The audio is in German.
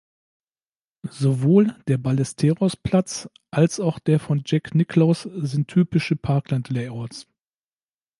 Sowohl der Ballesteros-Platz, als auch der von Jack Nicklaus, sind typische Parkland-Layouts.